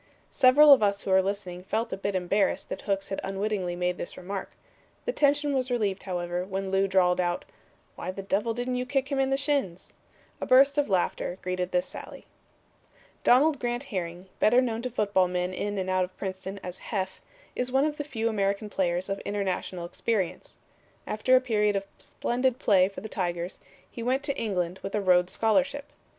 Several of us who were listening felt a bit embarrassed that Hooks had unwittingly made this remark. The tension was relieved, however, when Lew drawled out, 'Why the devil didn't you kick him in the shins?' A burst of laughter greeted this sally." Donald Grant Herring, better known to football men in and out of Princeton as Heff, is one of the few American players of international experience. After a period of splendid play for the Tigers he went to England with a Rhodes Scholarship.